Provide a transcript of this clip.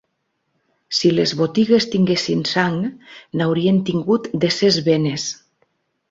Si les botigues tinguessin sang, n'haurien tingut de ses venes.